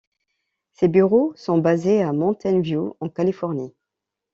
Ses bureaux sont basés à Mountain View en Californie.